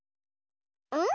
うん？